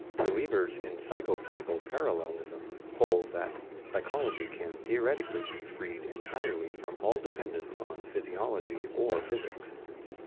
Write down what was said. Believers in psycho physical parallelism hold that psychology can theoretically be freed entirely from all dependence on physiology or physics.